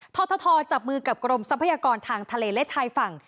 ททจับมือกับกรมทรัพยากรทางทะเลและชายฝั่ง